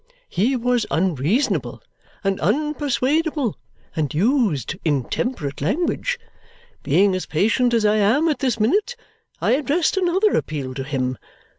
He was unreasonable and unpersuadable and used intemperate language. Being as patient as I am at this minute, I addressed another appeal to him.